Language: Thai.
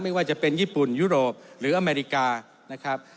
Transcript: ไม่ว่าจะเป็นญี่ปุ่นยุโรปหรืออเมริกานะครับ